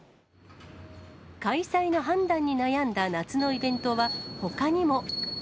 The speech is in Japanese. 開催の判断に悩んだ夏のイベントはほかにも。